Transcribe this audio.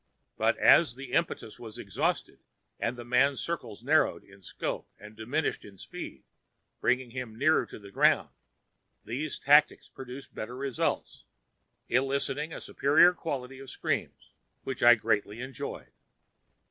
But as the impetus was exhausted and the man's circles narrowed in scope and diminished in speed, bringing him nearer to the ground, these tactics produced better results, eliciting a superior quality of screams, which I greatly enjoyed.